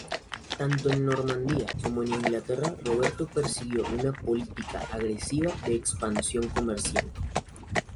Tanto en Normandía como en Inglaterra, Roberto persiguió una política agresiva de expansión comercial.